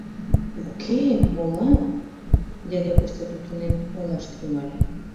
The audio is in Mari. — У-уке... молан... — дядя Костя тутынен ойлаш Тӱҥале.